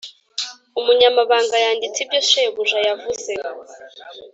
umunyamabanga yanditse ibyo shebuja yavuze.